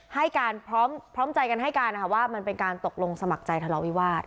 ให้การพร้อมใจกันให้การนะคะว่ามันเป็นการตกลงสมัครใจทะเลาวิวาส